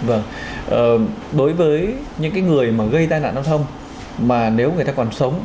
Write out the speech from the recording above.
vâng đối với những người mà gây tai nạn giao thông mà nếu người ta còn sống